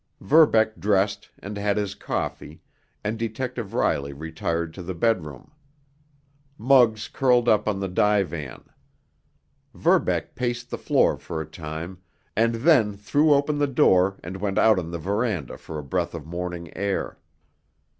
Verbeck dressed and had his coffee, and Detective Riley retired to the bedroom. Muggs curled up on the divan. Verbeck paced the floor for a time, and then threw open the door and went out on the veranda for a breath of morning air.